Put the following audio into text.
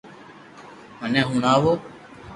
مني ھڻاووُ